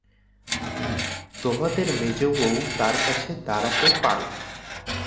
তোমাদের মেজোবউ তার কাছে দাঁড়াতে পারে!